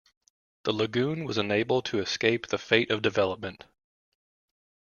The lagoon was unable to escape the fate of development.